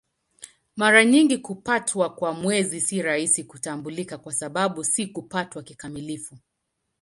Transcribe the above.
Mara nyingi kupatwa kwa Mwezi si rahisi kutambulika kwa sababu si kupatwa kikamilifu.